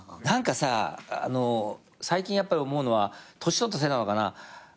何かさ最近やっぱり思うのは年取ったせいなのかな。